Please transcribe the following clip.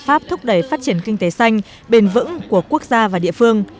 giải pháp thúc đẩy phát triển kinh tế xanh bền vững của quốc gia và địa phương